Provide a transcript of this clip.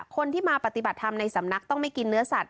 คนที่มาปฏิบัติธรรมในสำนักต้องไม่กินเนื้อสัตว